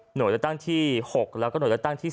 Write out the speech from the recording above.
โดยเลือกตั้งที่๖แล้วก็หน่วยเลือกตั้งที่๓